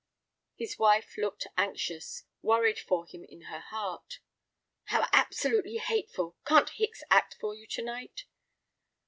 His wife looked anxious, worried for him in her heart. "How absolutely hateful! Can't Hicks act for you to night?"